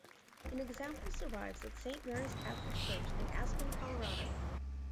An example survives at Saint Mary's Catholic Church in Aspen Colorado.